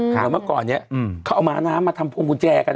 เหมือนเมื่อก่อนนี้เขาเอาม้าน้ำมาทำพวงกุญแจกัน